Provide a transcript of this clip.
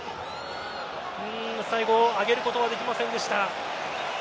最後上げることはできませんでした。